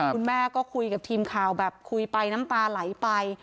คุณแม่ก็คุยกับทีมข่าวแบบคุยไปน้ำตาไหลไป